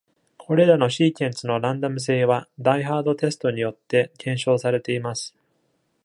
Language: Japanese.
これらのシーケンスのランダム性は、diehard テストによって検証されています